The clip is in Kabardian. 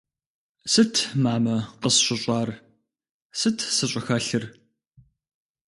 Сыт, мамэ, къысщыщӏар, сыт сыщӏыхэлъыр?